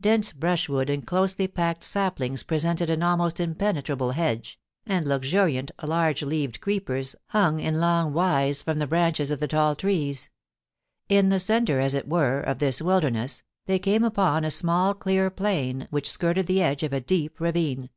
Dense brush wood and closely packed saplings presented an almost im penetrable hedge, and luxuriant, large leaved creepers hung in long withes from the branches of the tall trees. In the centre, as it were, of this wilderness, they came upon a small clear plain, which skirted the edge of a deep ravine.